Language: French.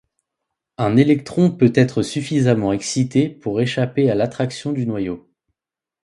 Un électron peut être suffisamment excité pour échapper à l'attraction du noyau.